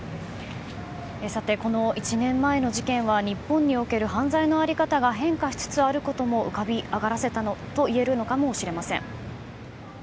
この１年前の事件は日本における犯罪の在り方が変化しつつあることも浮かび上がらせたといえるのかもしれません。